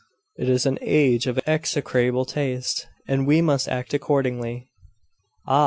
It is an age of execrable taste, and we must act accordingly.' 'Ah!